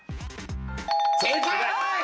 正解！